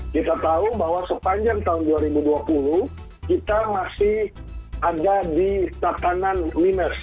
kita tahu bahwa sepanjang tahun dua ribu dua puluh kita masih ada di tatanan minus